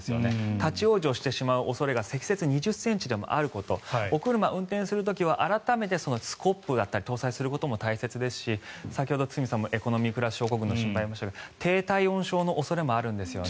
立ち往生してしまう恐れが積雪２０ｃｍでもあることお車、運転する時は改めてスコップなどを搭載することも大事ですし先ほど堤さんもエコノミークラス症候群の心配をしていましたが低体温症の恐れもあるんですよね。